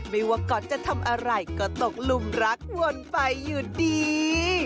ไม่ว่าก๊อตจะทำอะไรก็ตกลุมรักวนไปอยู่ดี